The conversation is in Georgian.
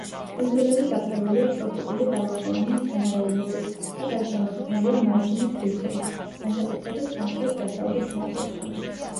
კუნძულები დაფარულია ტროპიკული ბალახოვანი მცენარეულობით და გარშემორტყმულია მარჯნის რიფებით, განსაკუთრებით სამხრეთ-დასავლეთ ნაწილში.